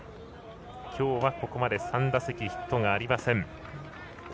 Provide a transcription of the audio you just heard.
きょうはここまで３打席ヒットがありません。